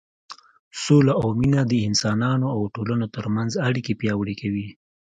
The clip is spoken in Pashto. سوله او مینه د انسانانو او ټولنو تر منځ اړیکې پیاوړې کوي.